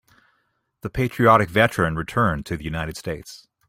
The patriotic veteran returned to the United States.